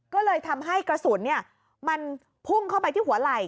ก็เลยทำให้กระสุนมันพุ่งเข้าไปที่หัวไหล่